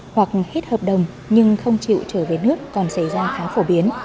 hoặc hết hợp đồng nhưng không chịu trở về nước còn xảy ra khá phổ biến